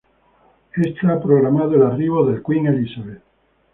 Está programado el arribo del "Queen Elizabeth".